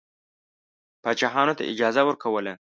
پاچاهانو ته اجازه ورکوله.